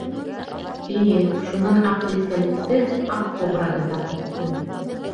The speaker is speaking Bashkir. — Эйе, шунан Аҡ Елкәлекте — аҡ кобраны тап иттем.